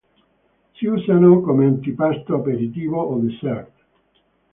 Si usano come antipasto, aperitivo o dessert.